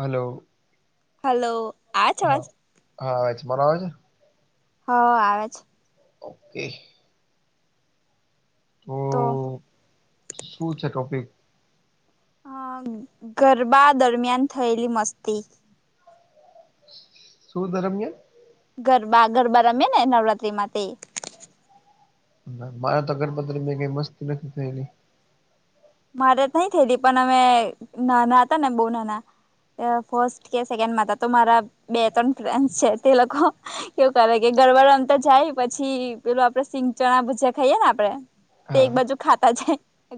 Hello hello આવે છે હા અવાજ હા ચ બનાવે છે હવ આવે છે ઓકે હમ તો શું છે ટોપિક હ ગરબા દરમિયાન થયેલી મસ્તી શું દરમિયાન ગરબા ગરબા રમે ને નવરાત્રીમાં તે મારા તગરપથ મેં કઈ મસ્તી નથી થયેલી મારે તો નઈ થયલી પણ અમે નાના હતા ને બો નાના ફર્સ્ટ કે સેકન્ડમાં હતા તો મારા બે ત્રણ ફ્રેન્ડ છે તે લોકો કેવું કરે કે ગરબા રમતા જાય પછી પેલું આપડે સિંગ ચણા ભૂજયા ખાઈએ ને આપડે તે એક હા બાજુ ખાતા જ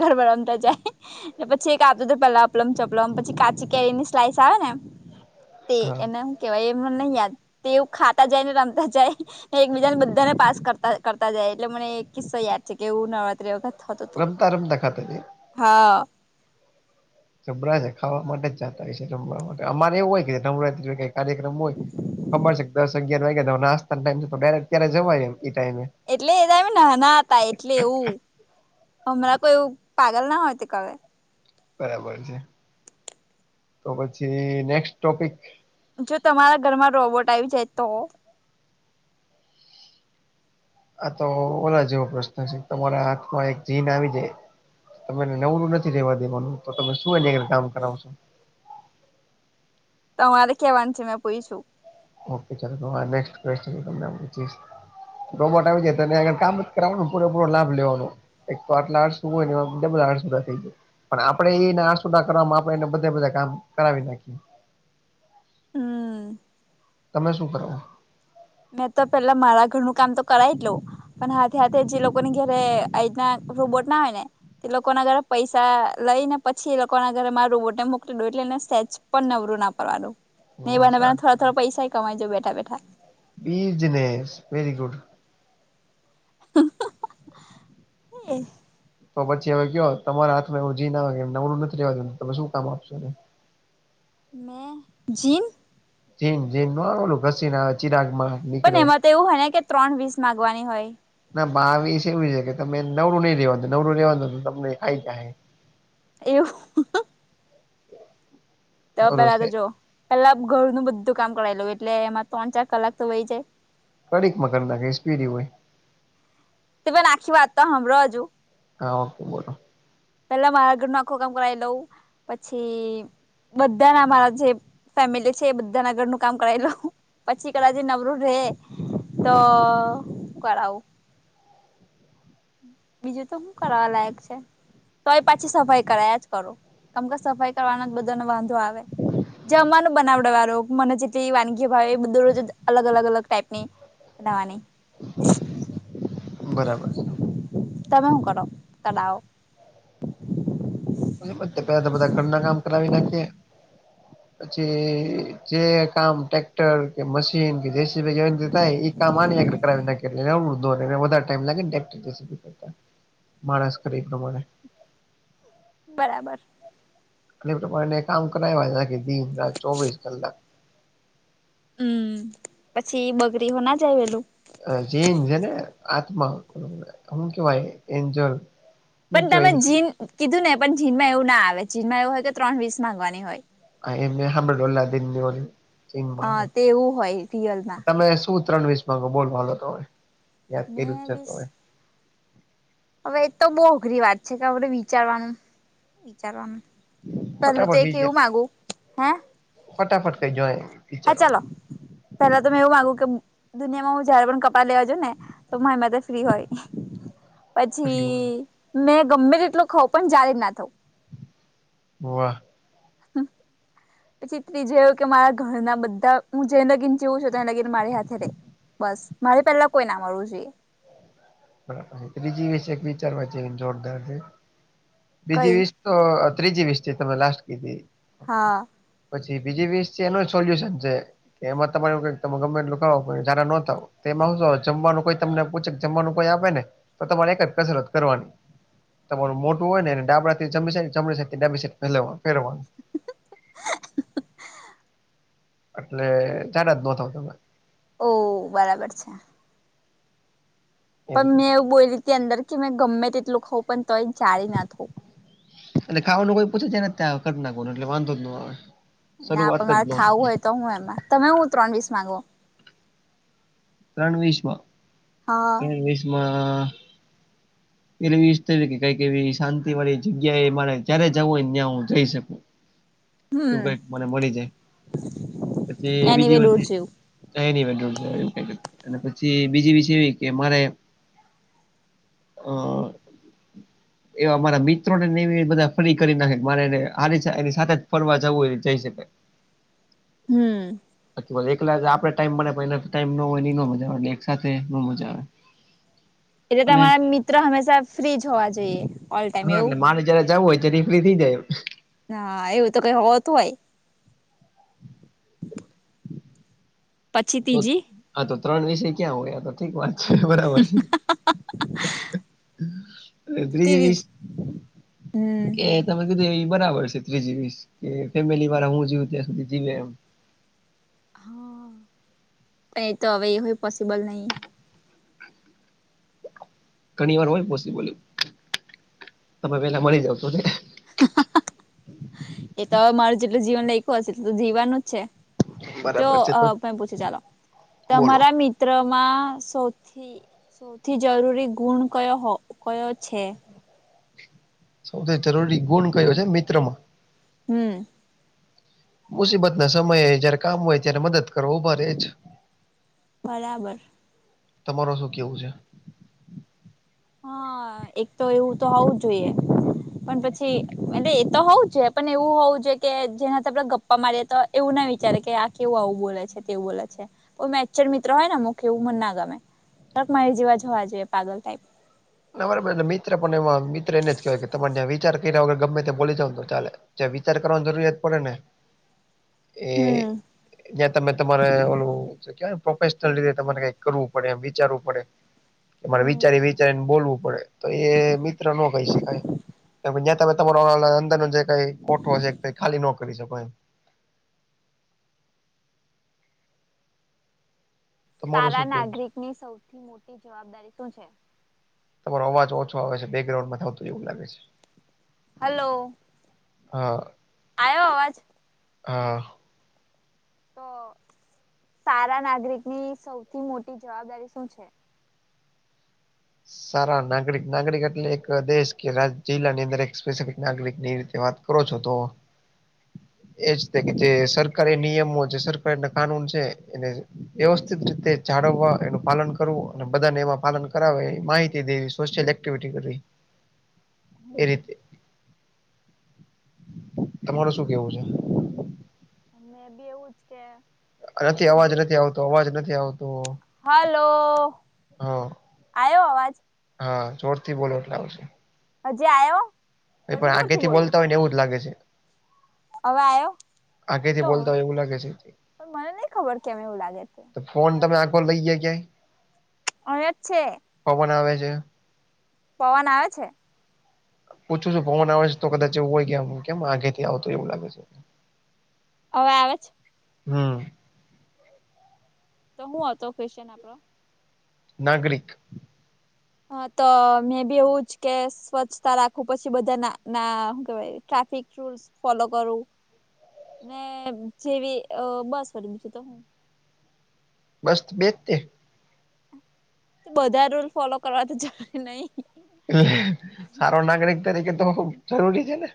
ઘરમાં રમતા જ પછી એક આપું હતું પેલા અપલમ ચપલમ પછી કાચી કેરી ની સ્લાઈસ આવે ને [inaudible] તે એને હું કેવાય એમને નહી યાદ તે એવું ખાતા જાય ને રમતા જાય એકબીજા ને બધાને પાસ કરતા કરતા જાય એટલે મને એક કિસ્સો યાદ છે કે એવું નવરાત્રી વખત થતું હતું. રમતા રમતા ખાતા જાય હા જબરા છે ખાવા માટે જતા હોય છે રમવા માટે અમારે એવું હોય કે નવરાત્રી કઈ કાર્યક્રમ હોય તો ખબર છે કે દસ અગિયાર વાગ્યા તો નાસ્તા ટાઈમ છે તો ડાયરેક ત્યારે જવામ ઈ ટાઈમે એટલે એતો અમે નાના હતા એટલે એવું હમણાં કોઈ એવું પાગલ ના હોય તે કલે બરાબર છે તો પછી નેક્સ્ટ ટોપિક જો તમારા ઘરમાં રોબોટ આવી જાય તો? આ તો ઓલા જેવો પ્રશ્ન છે તમારા હાથમાં એક જીન આવી જાય તમેને નવરું નથી રહેેવા દેવાનું તો તમે શું એ કામ કરાવશો? તમારે કેવાનું છે મેં પૂછ્યું. ઓકે ચાલો તમારે નેક્સટ કવેશ્ચન તમને હું પૂછીશ રોબોટ આવી જાય તેને અહીં આગળ કામ જ કરાવવાનું પૂરેપૂરો લાભ લેવાનો. એક તો આટલા આઠ શું હોયને એ બધ બધા આઠ સુધા થઈ ગાય [unintelligible] પણ આપડે એને આસુદા કરવામાં આપણે એને બધા બધા કામ કરાવી નાખીએ. હમ તમે શું કરો [unintelligible] મેં તો પેલા મારા ઘરનું કામ તો કરાવી લઉ પણ હાથે હાથે જે લોકોને ઘરે અહિના રોબોટ ના હોય ને એ લોકો ના ઘરે પૈસા લઈ ને પછી એ લોકો ના ઘરે મારું રોબોટને મોકલી દો એટલે એને સ્ટેચુ પણ નવરું ના પવાનું નહી એબાને થોડા થોડા પૈસા કમાઈ જાવ બેઠા બેઠા બિજનેસ વેરી ગુડ. એ [unintelligible] તો પછી હવે કયો તમારા હાથમાં એવું જીન ના આવે કે નવરુ નથી રેવા દેતું તમે શું કામ આપશો? હમ જીન? જીન જીન ન આવેલું ઘસીને ચિરાગ માં નીકળે [unintelligible] તે એવું હો ને કે ત્રણ વીસ માગવાની હોય. ના બાવીસ એવું છે કે તમે નવરું નહીિ રેવાનું નવરું રેવાનું તમને આ ક [unintelligible] એ [unintelligible] તો પેલા તો જો પેલા ઘરનુંું બધું કામ કરાવી લઉ એટલે એમાં ત્રણ ચાર કલાક તો વય જાય. કડીક મકર નાખશપીરી હ [unintelligible] તમે આખી વાત તો સાંભડો હજું હા ઓ બોલો [unintelligible] પેલા મારા ઘર ન આખું કામ કરાવી લઉં પછી બધા ના મારા જે ફેમિલી છે એ બધાના ઘરનું કામ કરાવી લઉંપછી કદાચ નવરું રે તો શું કરાવ? બીજું તો શું કરવા લાયક છ? તો એ પાછી સફાઈ કરા જ કરો કેમ કે સફાઈ કરવાના જ બધાને વાંધો આવે જમવાનું બનાવમને જેટલી વાનગી ભાવ એ બધું રોજ અલગ અલગ અલગ ટાઈપ ની. એવાની. [unintelligible] બરાબર. તમે હું કર કો [unintelligible] પેલા તો બધા ઘરના કામ કરાવી નાખીએ જે જે કામ ટેક્ટર કે મશીન કે જેસીબી ભાઈનેતા [unintelligible] કામ આ આગળ કરાવી નાખો વધ ટાઇમ લાગે ને માણસ કરે એ પ્રમાણે બરાબર. ેપોને કામ કરાવ દ રા ચોવીસ કલાક હમ પછી બગરી હો ના જાય વેલું? જેન છે ને આત્મા હમ કેવાય એન્જલ [unintelligible] હું પણ કેવાય તમે જીન કીધું ને પણ જીનમાં એવું ના આવે જીનમાં એવું હોય કે ત્રણ વીસ માંગવાની હોય એમને હલ્દીન ચીનમાં અ આવે તેવું હોય રિયલમાં તમે શ [unintelligible] ત્રણ વીસ માં બોલ વાલોો તો યાદ કર્યું મેં છે વીસ તોમે [unintelligible] હવે એ તો બહુ અઘરી વાત છે કે આપડ વિચારવાનું વિચારવાનું પેલું તો ફટાફટ એક બીજ એવું માગુ હે ફટાફટ કઈ જોાય [unintelligible] હા ચાલો પેલા તો મેં એવું માંગુ કે દુનિયામાં હું જયારે પણ કપડાં લેવા જાવ ને તો મારી માટે ફ્રી હોય કર્યું. પછી મેં ગમે એટલું ખઉં પણ જા્યારે જ ના થવું. વાહ. હમ. પછી ત્રીજું એવું કે મારા ઘરના બધા હું જેને લગીન જીવું છું તેને લગીન મારી હાથે ર. બસ મારે પેલા કોઈ ના મળવું જોઈએ. બરાબર છે ત્રીજી વિસ એક વિચારવા જે જોરદાર છે બીજી કઈ વી. તો ત્રીજી વીસ થી તમે લાસ્ટ કીધી હા પછી બીજી વીસ છે એનું સોલ્યુશન છે. કે એમાં તમારુ કઈ તમે ગમેટલુવો જાર ન થાવ એમાં હું જમવાનું કોઈ તમને પૂછે જમવાનુ કોઈ આપે ને તો તમારે એક જ કસરત કરવાની તમારુ મોટુ હોય, ને ડાબડાથી જમી જમડી ડાબી પહેરવાનુ [unintelligible] એટલે જાર જ નહ થ તમે ઓહ બરાબર છે. એ પણ મેં રીતે એવું બોલી હતી, અંદર કે મેં ગમે તેટલું ખઉં પણ તોય જાળ ના થવુ. એટલે ખાવાનું કોઈ પૂછે જાય ખ નાખ ન એટલે વાંધો જ ન આવે ના શરૂઆત પણ જ મારે ન ખાવુ થતી હોય, તો હુ એમા તમે હુ ત્રણ વીસ માંગો ત્રણ વીસ માં હા ત્રણ વીસ મા એટલેવીથ કઈ એવી શાંતિ વાળી જગ્યા એ મારે જયારે જવું હોયને ત્યાં હુ જઈ શકુ એવું હમ કઈક મને મળી જાય પછી એ એની બીજી એ વે દોઢ જેવું એવું કઈક પછી બીજી બી એવી કે મારે આ એવા મારા મિત્રો નેનેવી બધા ફરી કરી નાખે મારેનેારીની સાથે ફરવા જવુ એ જઈ શકાય [inaudible] હમ્મ બાકી એકલા આપડ ટાઈમ મળે પલા ટાઈમો હોય એ નો મજા આવે એટલે એક સાથે નો મજા આવે એટલે અને તમારા મિત્ર હમેશા ફ્રી હોવા જોઈએ. ઓલ ટાઈમ હા એવું એટલે મારે જયારે જવું હોય ત્યારે એ ફ્રી થઈ જાય એમ નાા એવું તો કઈ હોતુ હોય. પછી ત્રીજી આા તો ત્રણ વિષય ક્યાં હોય આ તો ઠીક વાત છે બરાબર છે. ત્રીજી ત્રીજસ હમ કે તમે કીધું એ બરાબર છે ત્રીજી વીસ કે ફેમિલી વાળા હું જવુ ત્યા સુધી જીવે એમ હા એ તો હવે એ હોય પોસબલ નહી ઘણી વાર હોય પોબલ તમે પેલા મળી જાવ છો, ને એ તો હવે મારું જેટલુ જીવન લઈક હશે એટલું તો જીવવાનું જ છે. જો બરાબર છે તો પૂછી ચાલો બોલો તમારા મિત્ર ચ્રમાં સૌથી સૌથી જરૂરી ગુણ કયો કયો છે. સૌથી જરૂરી ગુણ કયો છે, મિત્ર મા હમ્મ હ મુસીબત ના સમયે જયારે કામ હોય ત્યારે મદદ કરો ઊભા રહે જ બરાબર તમારો શું કેવું છે. હા એક તો એવું તો હોવું જ જોઈએ. પણ પછી એ એ તો હોવુ છે, પણ એવુ હોવુ છે કે જેનાથી આપડે ગ્ અમારે તો એવું ના વિચારે કે આ કેવું આવું બોલે છે, તેવુ બોલે છે. મેંચચર મિત્ર હોય ને મ કે એવું મને ના ગમેક મારી જેવા જોવા જોઈએ પાગલાઈપ ના બરાબર મિત્ર પણ એ મિત્ર એને જ કહેવાય કે તમારે ત્યા વિચાર કર્યા વગર ગમે તે બોલી જાવ તો ચાલે વિચાર કરવાની જરૂરિયાત પડે ને એ હમ જ્યા તમે તમારે ઓલું ક્યા પ્રોફેશનલ રીતે તમારે કઈક કરવું પડે એમ વિચારવું પડે કે તમારે વિચારી હમ વિચારીને બોલવું પડે તો એ મિત્ર ન કહી શકાય કે જ્યાં તમે તમારો અંદર ન જે કઈ કોઠો છે, ખાલી ન કરી શકો એમ તમારું તારા શું કેવું છે નાગરિક ની સૌથી મોટી જવાબદારી શું છે. તમારો અવાજ ઓછો આવે છે બેકગ્રાઉન્ડમાં થી આવતુ એવું લાગે છે. હલો. હા. આયો અવાજ. હા. તો સારા નાગરિકની સૌથી મોટી જવાબદારી શું છે. સારા નાગરિક નાગરિક એટલે એક દેશ કે રાજ જિલ્લાની અંદર એક સ્પેસફિક નાગરિક ની રીતે વાત કરો છો તો. એજ કે જે સરકારી નિયમો છે સરકારીને કાનૂન છે એને વ્યવસ્થિત રીતે જાળવવા એનું પાલન કરવું અને બધાને એમાં પાલન કરાવે માહિતી દેવી સોશલ એકવિટી કરવી એ હમ રીતે. તમારે શું કેવું છે. મેં બી એવુંજ કે. છે નથી અવાજ નથી આવતો અવાજ નથી હલો. હો. આયો અવાજ. હા જોરથી બોલો એટલે આવશે. હજી આયો. પણ આગે થી બોલતા હોય ને એવું જ લાગે છે. હવે આયો. આગેથી બોલતા હોય એવું લાગે છે પણ મને નહિ ખબર કેમ એવું લાગે છે. તો તમે આખો ફોન લઈ ગઈ કયાં. અયજ છે. પવન આવે છે. પવન આવે છે. પૂછું છું પવન આવે છે તો કદાચ એવું હોય કે કેમ આગે થી આવતું એવું લાગે છે. હવે આવે છે. હમ. તો શું હતો ક્વેશચન આપણો. નાગરિક. હા તો મેં બી એવું જ કે સ્વચ્છતા રાખું પછી બધા ના ના કેવાય ટ્રાફિક રૂલ્સ ફોલો કરું ને જેવી અ બસ ફ બીજું તો હું બસ બેજ તે. તો બધા રૂલ ફોલો કરવા તો જવાય નહી. એટલે સારો નાગરિક તરીકે તો ખૂબ જરૂરી છે ને.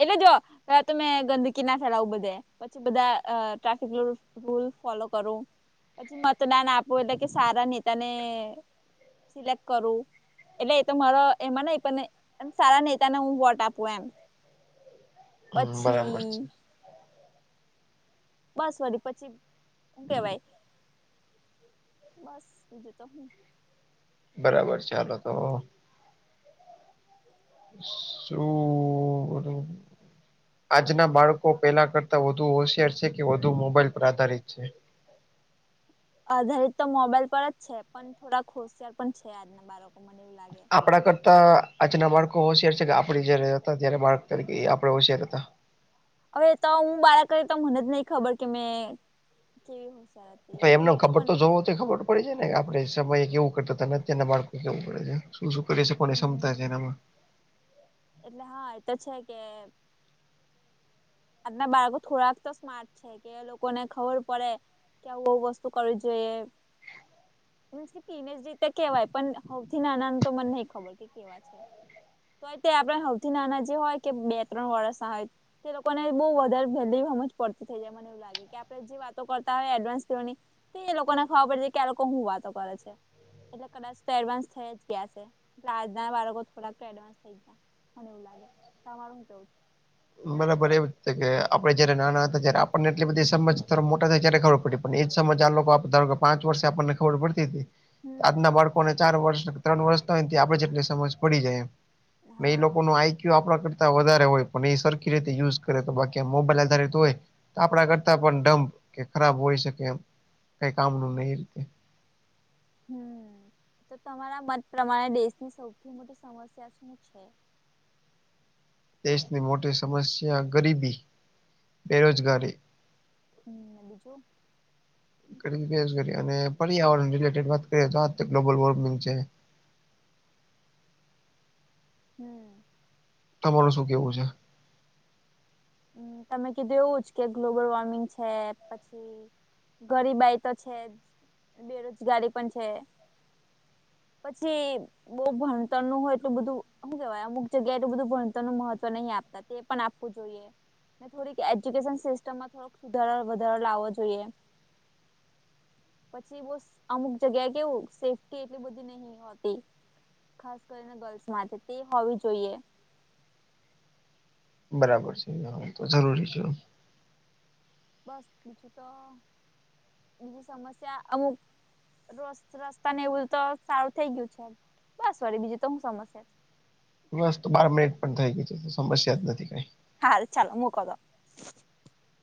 એટલે જો અ તમે ગંદકી ના ફેલાવું બધે. પછી બધા અ ટ્રાફિક રૂલ ફૂલ ફોલો કરો. પછી મતદાન આપું એટલે કે સારા નેતાને સિલેક્ટ કરવું. એટલે એ તો મારો એમાં મને પણે સારા નેતાને હું વોટ આપું એમ. હમ બરાબર છે પછી. બસ વળી પછી હું કેવાય બસ બીજું તો. બરાબર ચાલો તો. સુ ઉ. આજના બાળકો પેલા કરતા વધુ હોશિયાર છે કે વધુ મોબાઈલ પર આધારિત છે. આધારિત તો મોબાઈલ પર જ છે પણ થોડાક હોશિયાર પણ છે આજના બારકો આપડા કરતા અચ ના બાળકો હોશિયાર છે કે આપડી જયારે હતા ત્યારે બાળક તરીકે આપડે હોશિયાર હતા. હવે તો હું બાળક તો મને જ નહી ખબર કે મે કેવી હોશિયાર હતી તો એટલી એમનો બધી ખબર તો મને જોવો તે ખબર પડે છે ને આપડે સમયે કેવું કરતા તાને અત્યારના બાળકો કેવું કરે છે. શું કરી સે કોને ક્ષમતા છે હમ એનામાં એટલે હા એ તો છે કે આના બાળકો થોડાક તો સ્માર્ટ છે. કે લોકોને ખબર પડે કે આવું આવું વસ્તુ કરવી જોઈએ મ પીને જ રીતે કેવાય પણ હૌથી નાના તો મને નહીં ખબર કે કેવા છે. તોય તે આપણે હવથી નાના જે હોય કે બે ત્રણ વર્ષ હોય ને બહુ વધારે વેલી જ પડતી થઈ જાય મને એવું લાગે કે આપણે જે વાતો કરતા હોય એડવાન્સ તેવાની તે એ લોકોને ખબર પડે છે કે લોકો હું વાતો કરે છે. એટલે કદાચ તો એડવાન્સ થઈ જ ગયા છે આજ બાળકો થોડાક એડવાન્સ થઈ ગયા મને એવું લાગે તમારું હું કેવું છે? બરાબર એવું છે કે આપે જયારે નાના હતા ત્યારે આપણને એટલી બધી સમજ થ મોટા થાય ત્યારે ખબર પડી પણ એ જ સમજ આ લોકો આપ ધારો કે પાંચ વર્ષે આપણને ખબર પડતી હતી હમ આજના બાળકો ને ચાર વર્ષ ત્રણ વર્ષ થય ને આપડે જેટલી સમજ પડી જાય એ હા લોકો ન આઈક્યુ આપણા કરતા વધારે હોય પણ એ સર ખી રીતે યુઝ કરે તો બાકી મોબાઈલ આધારિત હોય આપણા કરતા પણ ડપ કે ખરાબ હોય શકે એમ કઈ કામનું નહી રીતે હમ તો તમારા મત પ્રમાણે દેશની સૌથી મોટી સમસ્યા શું છે? દેશની મોટી સમસ્યા ગરીબી બેરોજગારી હમ બીજું કરી કરી અને પર્યાવરણ રિલેટેડ વાત કરી તો આ તો ગ્લોબલ વોર્મિંગ છે. હમ તમાર શું કેવું છે? હમ તમે કીધું એવું જ કે ગ્લોબલ વોર્મિંગ છે પછી ગરીબાઈ તો છે બેરોજગારી પણ છે. પછી બઉુ ભણતર નું હો એલું બધું શું કેહેવાય અમુક જગ્યાએ એટલ બધું ભણતર નું મહત્વ નહીં આપે તે પણ આપવું જોઈએ થોડી એજ્યુકેશન સિસ્ટમમાં થોડક સુધારો વધારો લાવો જોઈએ પછી બ અમુક જગ્યા કેવું સેફ્ટી એટલી બધી નહિ હોતી ખાસ કરીને ગર્લ્સ માંટે તે હોવી જોઈએ બરાબર છે હ તો જરૂરી છે. બસ બીજું તો બીજી સમસ્યા અમુક ર રસ્તા ને એવું તો સારું થઈ ગયું છે બસ વરી બીજું તો હું સમસ્યા બસ તો બાર મિનિટ પણ થઈ ગય છેું સમસ્યા જ નથી કઈ હા ચાલો મુકો તો